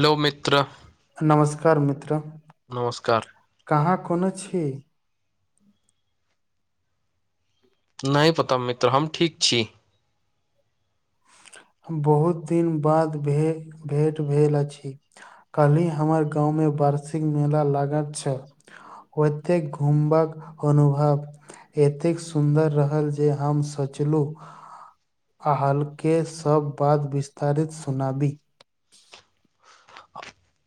hello मित्र नमस्कार मित्र नमस्कार कहाँ कोनो छी नहि पता मित्र हम ठीक छी बहुत दिन बाद भे भेट भेल अछि कहलि हमर गाँमे वार्षिक मेला लागल छै ओतयेक घुमबक अनुभव एतेक सुन्दर रहल जे हम सोचलू आ हल्का के सब बात विस्तारित सुनाबी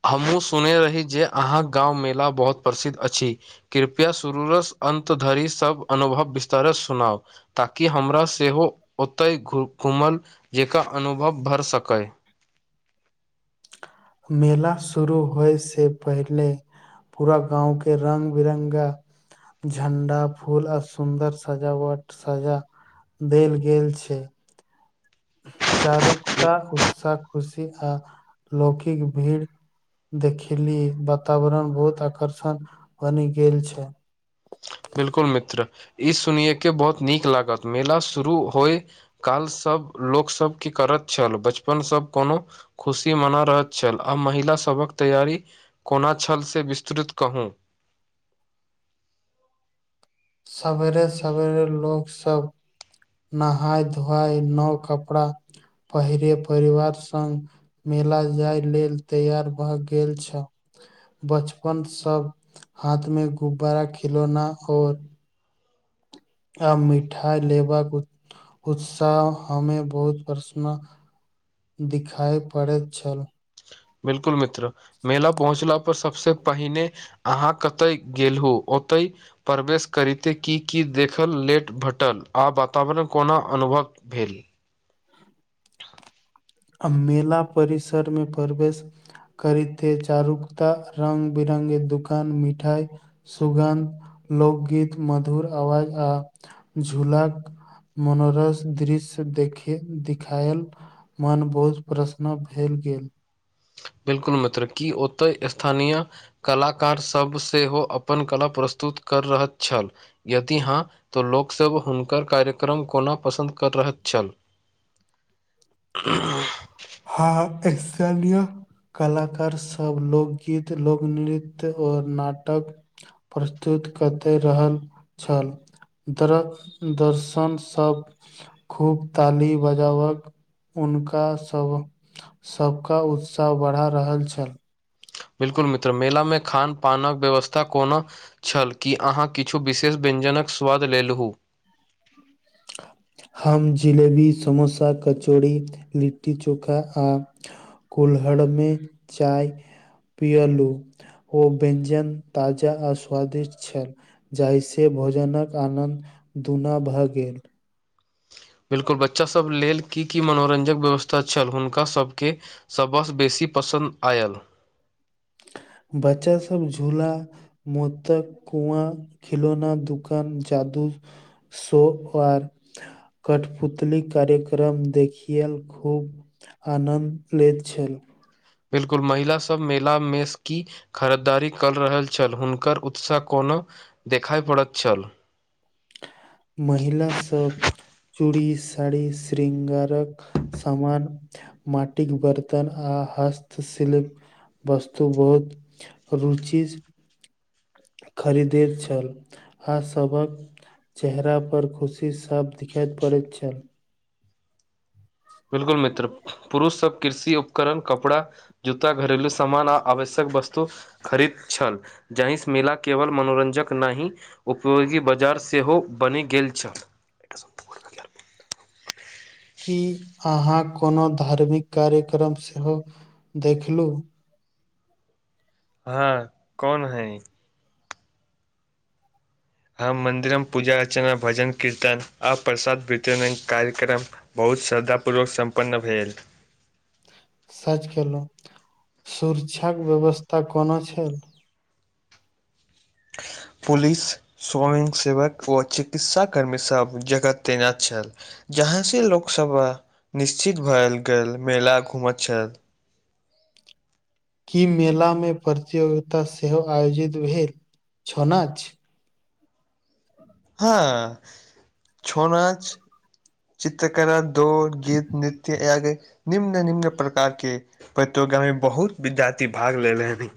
हमहुँ सुने रही जे अहाँके गाँव मेला बहुत प्रसिद्ध अछि कृपया शुरूसँ अन्त धरि सब अनुभव विस्तरस सुनाउ ताकि हमरा सेहो ओतय घूमल जेका अनुभव भरि सकय मेला शुरू होइसँ पहिले पूरा गाँव के रंग बिरंगा झण्डा फूल आर सुन्दर सजावट सजा देल गेल छै चारुकता उत्साह खुशी आ लौकिक भीड़ देखली वातावरण बहुत आकर्षण बनि गेल छै बिल्कुल मित्र ई सुनिये के बहुत नीक लागत मेला शुरू होइ काल सब लोकसब की करैत छल बचपन सब कोनो खुशी मना रहैत छल आ महिला सभक तैयारी कोना छल से विस्तृत कहू सवेरे सवेरे लोकग सब नहाय धोआय नओ कपड़ा पहिरे परिवार स मेला जाय लेल तैयार भ गेल छै बचपन सब हाथ मे गुब्बारा खिलौना और आ मिठाइ लेबाक उत उत्साह हमे बहुत प्रसन दिखाइ पड़ैत छल बिलकुल मित्र मेला पहुँचला पर सबसे पहिने अहाँ कतय गेलहु ओतहि प्रवेश करिते की की देखल लेट भेटल आ वातावरण कोना अनुभव भेल आ मेला परिसरमे प्रवेश करीे चारुकता रंग बिरंगे दुकान मिठाई सुगन्ध लोकगीत मधुर आवाज आ झुलाक मनोरस दृश्य देखे देखायल मन बोझ प्रसन भेल गेल बिल्कुल मित्र की ओतऽ स्थानीय कलाकार सभ सेहो अपन कला प्रस्तुत कर रहल छल यदि हँ तऽ लोकसभ हुनकर कार्यक्रम कोना पसन्द कर रहैत छल [inaudible] आ [unintelligible] हँ एक्शन लिए कलाकारसभ लोकगीत लोकनृत्य आओर नाटक प्रस्तुत कतै रहल छल दर दर्शनसभ खूब ताली बजावक उनका सब सबक उत्साह बढ़ा रहल छल बिल्कुल मित्र मेलामे खान पानक व्यवस्था कोनो छल की अहाँ किछु विशेष व्यजनक स्वाद लेलहु [unintelligible] हम जिलेबी समोसा कचौड़ी लिट्टी चोखा आ कुल्हड़ में चाय पियलू ओ व्यञ्जन ताजा आ स्वादिष्ट छल जाहिसँ भोजनक आनन्द दुना भऽ गेल बिल्कुल बच्चा सब लेल की की मनोरंजक व्यवस्था छल हुनका सबके सभसँ बेसी पसन्द आयल बच्चा सभ झूला मुदा कुआँ खिलौना दोकान जादु शो आर [unintelligible] कठपुतली कार्यक्रम देखिय खूब आनन्द लैत छल बिलकुल महिला सब मेला मेस की खरीदारी कऽ रहल छल हुनकर उत्साह कोनो देखाइ पड़ैत छल महिला सब चूड़ी साड़ी श्रृंगारक सामान माटिक बर्तन आ हस्तशिल्प वस्तु बहुत रुचि खरीदैत छल आ सभक चेहरा पर खुशी साफ देखायत पड़ैत छल बिलकुल मित्र पुरुष सब कृषि उपकरण कपड़ा जूता घरलू सामान आ आवश्यक वस्तु खरीद छल जाहि सँ मेला केवल मनोरञ्जक नहि उपयोगी बाजार सेहो बनि गेल छल की अहाँ कोनो धार्मिक कार्यक्रम सेहो देखलू हँ कौन हैं इ हम मंन्दिरम पूजा अर्चना भजन कीर्तन आ प्रसाद वितरण कार्यक्रम बहुत श्रद्धापूर्वक सम्पन्न भेल सच केलहु सुर्षाक व्यवस्था कोनो छल पुलिस स्वयं सेवक ओ चिकित्सा कर्मी सब जगह तेने छल जहाँसँ लोकसभ निश्चित भएल गेल मेला घूमैत छल की मेला में प्रतियोगिता सेहो आयोजित भेल छनछ हँ छो नछ चित्रकला दौड़ गीत नृत्य आदि निम्न निम्न प्रकार के प्रतियोगा में बहुत विद्यार्थी भाग लेले हनि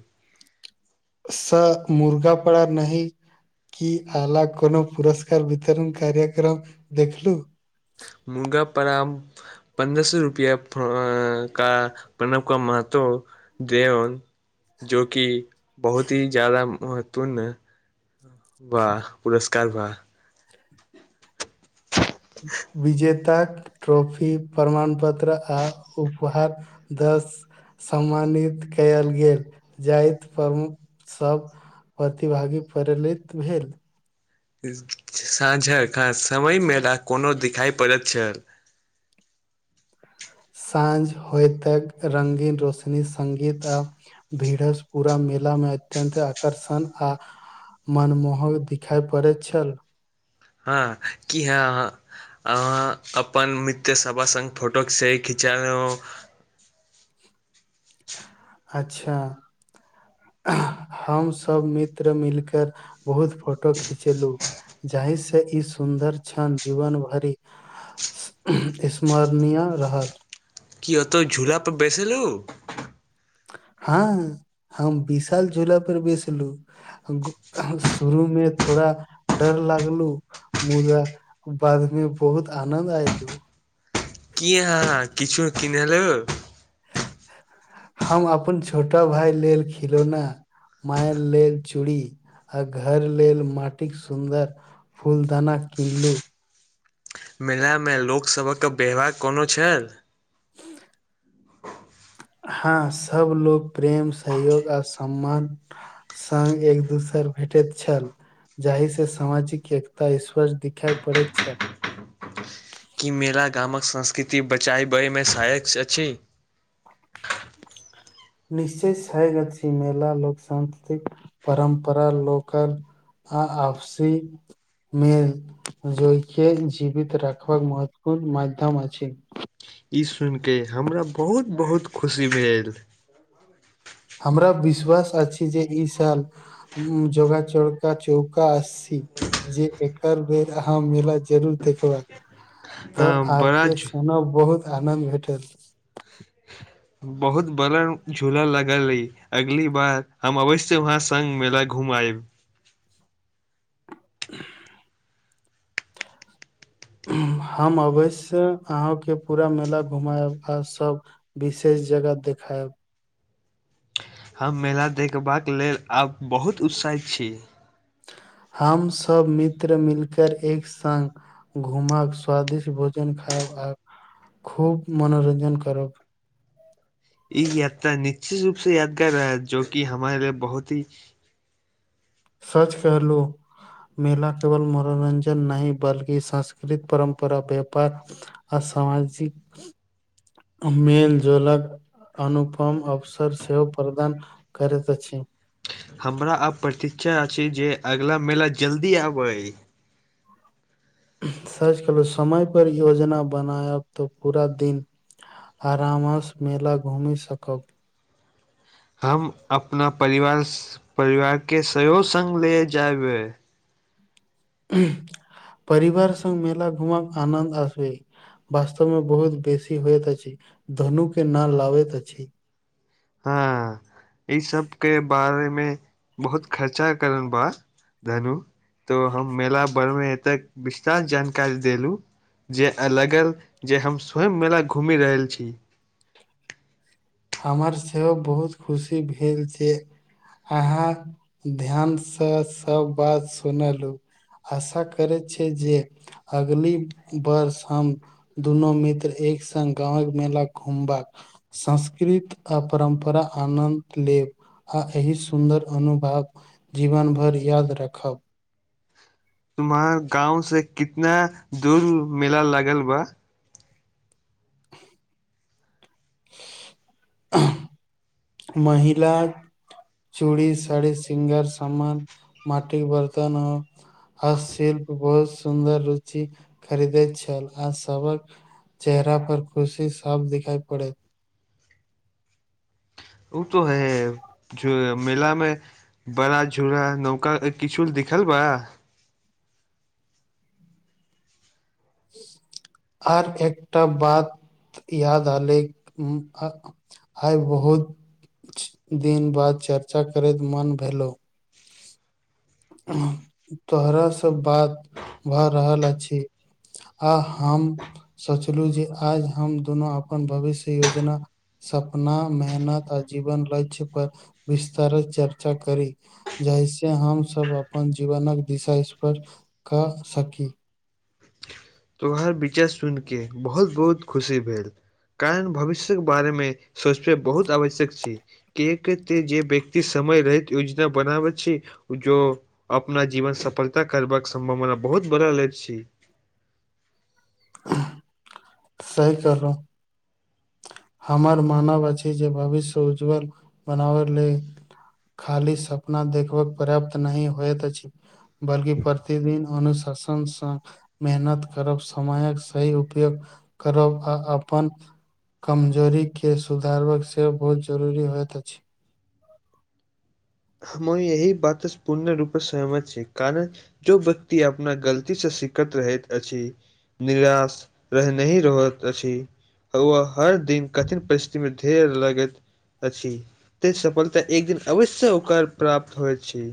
सक मुद्दा पड़ा नहि की आला कोनो पुरस्कार वितरण कार्यक्रम देखलु मुंगा पराम पन्द्रह सए रुपैया प्रऽ का प्रणव का महत्व देऔन जो कि बहुत ही जायदा महत्वपूर्ण वाह पुरस्कार वाह विजेताक ट्रॉफी प्रमाण पत्र आ उपहारह दस सम्मानित कयल गेल जाति प्रमुख सब प्रतिभागी परलित भेल साँझक का समय मेला कोनो दिखाइ पड़ैत छल साँझ होयतक रंगीन रोशनी संगीत आ भेड़स पूरा मेला में अत्यंत आकर्षण आ मनमोहो दिखाइ पड़ैत छल हँ की हाँ हाँ अहाँ अपन मित्र सभक संग फोटो सेहो खिचाय लेलहुँ अच्छा हम सभ मित्र मिलकेर बहुत फोटो खिचेलुँ जाहि सँ ई सुन्दर छन जीवन भरि स्मरणीय रहल की ओतऽ झूला पर बैसलुँ हँ हम विशाल झोला पर बेसलुँ ग शुरू मे थोड़ा डर लागलुँ मुदा बाद में बहुत आनन्द आयलु कि अहाँ किछु किन लू हम अपन छोटा भाय लेल खिलौना माय लेल चूड़ी आ घर लेल माटिक सुन्दर फूलदाना किनलुँ मेला में लोक सभक व्यवहार कोनो छैल [unintelligible] हँ सब लोग प्रेम सहयोग आर सम्मान संग एक दोसर भेटैत छल जाहि से सामाजिक एकता स्पर्श दिखाई पड़ैत छल की मेरा गामक संस्कृति बचाबबै में सहायक अछि निश्चे सग छी मेल लोक सांस्कृतिक परम्परा लोकल आ आवसी मेल जयके जीवित राखबाक महत्व गण माध्यम अछि छै ई सुनि के हमरा बहुत बहुत खुशी भेल हमरा विश्वास अछि जे ई साल जोगा चोड़का चौका असी जे एकर बेर अहाँ म जरूर देखबाक अ तऽ बड़ा आके सोना बहुत आनंद भेटत बहुत बड़र झूला लगल अय अगली बार हम अवश्य वहाँ संग मेला घुम आएब [unintelligible] हम अवैश्य अहाँ के पूरा मेला घुमायब आ सब विशेष जगह देखायएब हम मेला देखबाक लेल आब बहुत उत्साहित छी हमसब मित्र मिलकर एक संग घुमाक स्वादिष्ट भोजन खाउ आ खूब मनोरञ्जन करब ई यात्रा निश्चित रूप से यादगार रहै जो कि हमारे ल बहुत ही सच कहलो मेला केवल मनोरञ्जन नहि बल्कि सांस्कृतिक परम्परा व्यापार असामाजिक मेल जोलक अनुपम अवसर सेहो प्रदान करैत अछि हमरा आब प्रतीक्षा अछि जे अगिला मेला जल्दी आबै साच कहलू समय पर योजना बनायब तऽ पूरा दिन आराम सँ मेला घूमि सकब हम अपना परिवार परिवार के सेहो सँग ले जायबै परीवार संग मेला घुमबाक आनन्द अछि वास्तव में बहुत बेसी होत अछि धनु के न लाबैत अछि हँ ई सबके बारे मे बहुत खर्चा करनि बा धनु तो हम मेला बर मे एतेक विस्तार जानकारी देलू जे आ लगल जे हम स्वयं मेला घूमि रहल छी हमर सेहो बहुत खुशी भेल छै अहाँ ध्यान से सब बात सुनलु आशा करै छै जे अगली वर्ष हम दुनू मित्र एक सङ्ग गाँवक मेला घूमबाक सं संकृतिक आ परम्परा आनन्द लेब आ एहि सुन्दर अनुभव जीवन भरि याद राखब तुम्हार गाँव से कितना दूर मेला लागल बा महिलाक चूड़ी सारि सृंगार सान मटिक बर्तन हो आ शिल्प बहुत सुन्दर रुचि खरीदैत छल आ सबक चेहरा पर खुशी साफ दिखाई पड़े ओ तो है ज मेला मे बड़ा झूरा नौका किछु दिखल बा आर एकटा बात याद आले आइ बहुत दिन बाद चर्चा करैत मन भेलो तोहरा सब बात भए रहल अछि आ हम सोचलौ जे आज हम दुनू अपन भविष्य योजना सपना मेहनत आजीवन लछय पर विस्तारित चर्चा करि जैसे हमसभ अपन जीवनक दिशा स्पर्श क सकी तोहार विचार सुन केऽ बहुत बहुत खुशी भेल कारण भविष्य बारे मे सोचबे बहुत आवश्यक छि कियेक त जे व्यक्त समय रहैत योजना बनाबै छै जो अपना जीवन सफलता करबक सम्भव बहुत बड़ा लैत छी सहि कहलु हमर मानव अछि जे भविष्य उज्ज्वल बनाबै लेल खाली सपना देखबक पर्याप्त नहि होयइत अछि बल्कि प्रतिदिन अनुशसनसँ मेहनत करब समयक सही उपयोग करब आ अपन कमजोरी के सुधारबक सेहो बहुत जरूरी होइत अछि हम यही बात पूर्ण रूपे सहमत छीय कारण जो व्यक्ति अपना गलती सँ सिखैत रहैत अछि निराश रहनई रहैत अछि ओ हर दिन कठिन परिस्थितिमे धेर लगैत अछि त सफलता एक दिन अवश्य ओकर प्राप्त होइत छै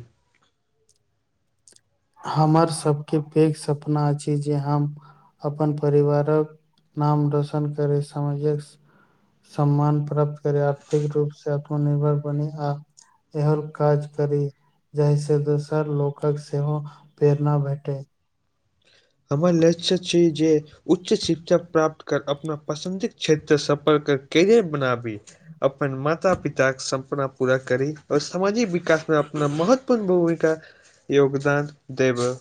हमर सभके पैघ सपना अछि जे हम अपन परिवारक नाम रोशन करय समाजक सम्मान प्राप्त करे आर्थिक रूप से आत्मनिर्भर बने आ एहन काज करी जहि से दोसर लोकक से कोनो प्रेरणा भेटय हमर लच् छी जे उच्च शिक्षा प्राप्त कर अपना पसन्दी क्षेत्र सफल कर कैरियर बनाबी अपन माता पिताक सपना पूरा करी और सामाजिक विकासमे अपना महत्वपूर्ण भूमिका योगदान देबै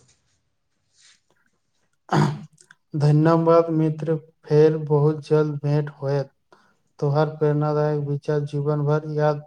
धन्यवाद मित्र फेर बहुत जल्द भेँट होयत तो हर प्रेरणाादायक विचार जीवन भर याद